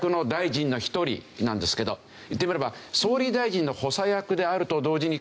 言ってみれば。